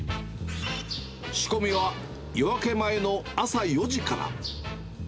仕込みは夜明け前の朝４時から。